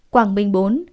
quảng bình bốn